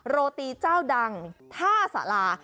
โรตีเจ้าดังท่าสารา